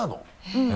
うん。